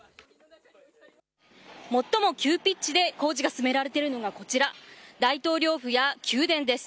最も急ピッチで工事が進められているのがこちら、大統領府や宮殿です。